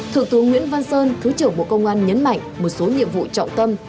thượng tướng nguyễn văn sơn thứ trưởng bộ công an nhấn mạnh một số nhiệm vụ trọng tâm